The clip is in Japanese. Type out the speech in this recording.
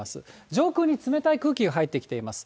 上空に冷たい空気が入ってきています。